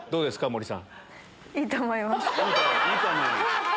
森さん。